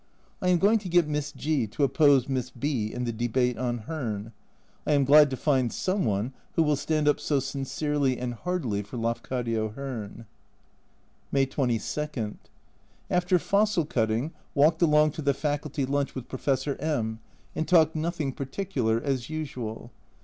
I am going to get Miss G to oppose Miss B in the Debate on Hearn. I am glad to find some one who will stand up so sincerely and heartily for Lafcadio Hearn. May 22. After fossil cutting walked along to the Faculty lunch with Professor M and talked nothing particular, as usual.